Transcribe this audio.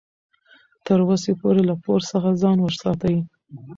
تر وسې پورې له پور څخه ځان وساتئ.